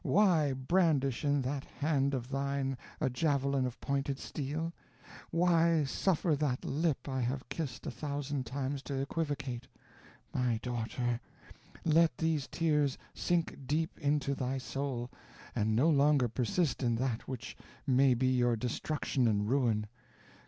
Why brandish in that hand of thine a javelin of pointed steel? Why suffer that lip I have kissed a thousand times to equivocate? My daughter, let these tears sink deep into thy soul, and no longer persist in that which may be your destruction and ruin.